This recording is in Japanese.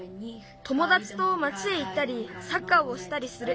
ともだちと町へ行ったりサッカーをしたりする。